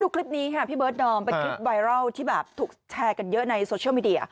คลิปนี้ค่ะพี่เบิร์ดดอมเป็นคลิปไวรัลที่แบบถูกแชร์กันเยอะในโซเชียลมีเดีย